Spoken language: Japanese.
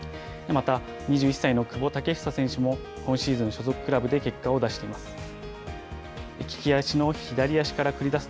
また、２１歳の久保建英選手も今シーズン、所属クラブで結果を出しています。